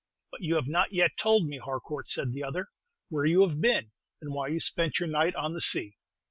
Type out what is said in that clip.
"But you have not yet told me, Harcourt," said the other, "where you have been, and why you spent your night on the sea."